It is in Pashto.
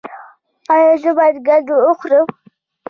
ایا زه باید کدو وخورم؟